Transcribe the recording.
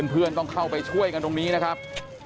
เพื่อนต้องเข้าไปช่วยกันตรงนี้นะครับ